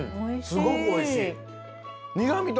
すごくおいしい。